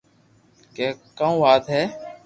ڪي ڪاو وات ھي